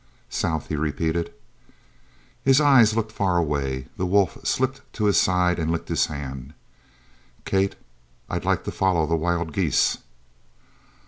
"South!" he repeated. His eyes looked far away. The wolf slipped to his side and licked his hand. "Kate, I'd like to follow the wild geese."